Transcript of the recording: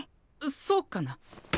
そうかな？